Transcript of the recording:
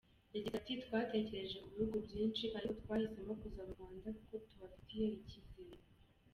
Yagize ati “Twatekereje ku bihugu byinshi ariko twahisemo kuza mu Rwanda kuko tuhafitiye icyizere.